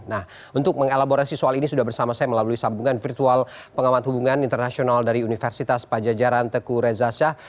nah untuk mengelaborasi soal ini sudah bersama saya melalui sambungan virtual pengamat hubungan internasional dari universitas pajajaran teku reza shah